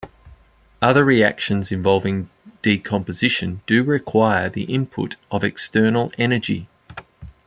Other reactions involving decomposition do require the input of external energy.